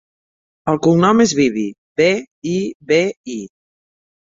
El cognom és Bibi: be, i, be, i.